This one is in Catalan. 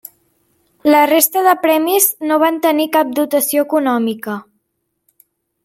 La resta de premis no van tenir cap dotació econòmica.